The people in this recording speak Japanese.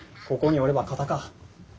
ここにおれば堅か。